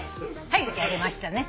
はいやれましたね。